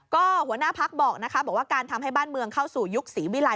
ก็หัวหน้าพักบอกนะคะบอกว่าการทำให้บ้านเมืองเข้าสู่ยุคศรีวิลัย